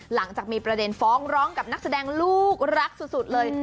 หลังจากมีประเด็นฟ้องร้องกับนักแสดงลูกรักสุดเลย